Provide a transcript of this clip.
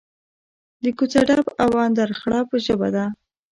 د کوڅه ډب او اندرغړب ژبه ده.